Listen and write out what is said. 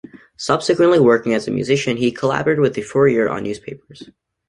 Subsequently working as a musician, he collaborated with Fourier on newspapers.